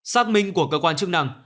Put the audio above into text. xác minh của cơ quan chức năng